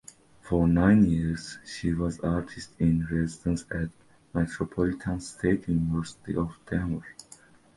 For nine years she was artist in residence at Metropolitan State University of Denver.